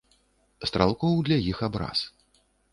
Стралкоў для іх абраз.